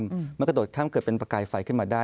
มันกระโดดข้ามเกิดเป็นประกายไฟขึ้นมาได้